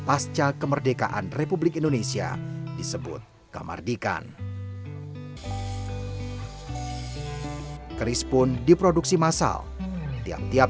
era kemerdekaan penjara belanda